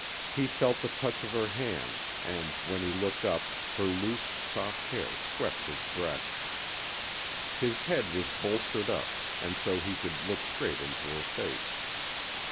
He felt the touch of her hands, and when he looked up her loose, soft hair swept his breast. His head was bolstered up, and so he could look straight into her face.